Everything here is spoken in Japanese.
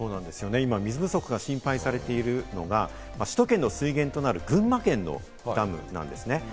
今、水不足が心配されているのが首都圏の水源となる群馬県のダムなんですね。